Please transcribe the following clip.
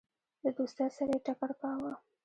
د دوستی سره یې ټکر کاوه.